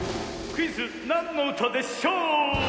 クイズ「なんのうたでしょう」！